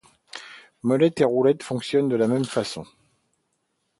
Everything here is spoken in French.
Molettes et roulettes fonctionnent de la même façon.